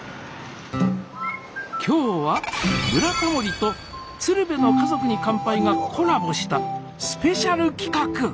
今日は「ブラタモリ」と「鶴瓶の家族に乾杯」がコラボしたスペシャル企画。